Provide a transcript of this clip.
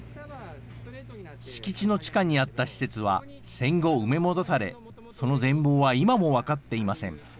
敷地の地下にあった施設は戦後埋め戻され、その全貌は今も分かっていません。